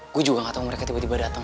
gue juga gak tau mereka tiba tiba datang